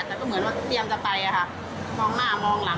แต่ก็เหมือนว่าเตรียมจะไปอะค่ะมองหน้ามองหลัง